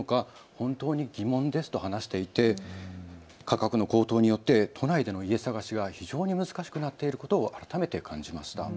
本当に疑問ですと話していて価格の高騰によって都内での家探しが非常に難しくなっていることを改めて感じました。